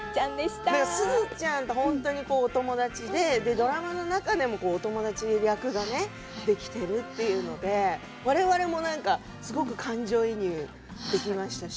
すずちゃんと本当にお友達でドラマの中でもお友達の役柄ができているって我々も何か感情移入しましたし。